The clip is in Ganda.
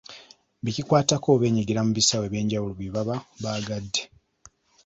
Be kikwatako beenyigira mu bisaawe eby'enjawulo bye baba baagadde.